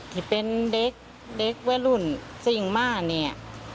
ที่เป็นเด็กเด็กแว่รุ่นจริงมากเนี่ย